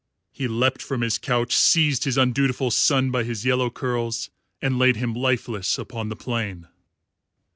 He leapt from his couch, seized his undutiful son by his yellow curls, and laid him lifeless upon the plain.